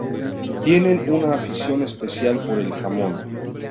Tienen una afición especial por el jamón.